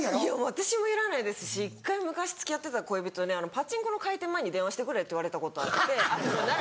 私もいらないですし一回昔付き合ってた恋人に「パチンコの開店前に電話してくれ」って言われたことあって。